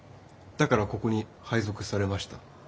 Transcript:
だからここに配属されました。